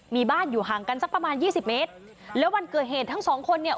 มีบ้านอยู่ห่างกันสักประมาณยี่สิบเมตรแล้ววันเกิดเหตุทั้งสองคนเนี่ย